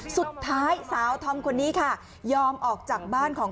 สุดท้ายสาวทอมคนนี้ค่ะยอมออกจากบ้านของ